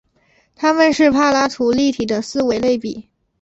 它们是柏拉图立体的四维类比。